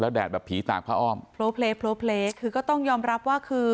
แดดแบบผีตากผ้าอ้อมโพลเพลโพลเพลคือก็ต้องยอมรับว่าคือ